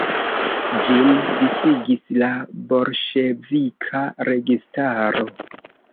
Ĝin disigis la bolŝevika registaro.